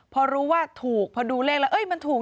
พอรู้ว่าถูกพอดูเลขแล้วมันถูก